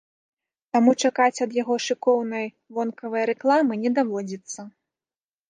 Таму чакаць ад яго шыкоўнай вонкавай рэкламы не даводзіцца.